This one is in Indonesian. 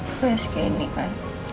kue segini kan